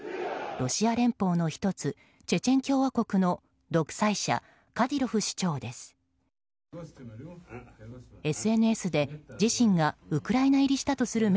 ロシア連邦の１つチェチェン共和国の独裁者カディロフ首長です。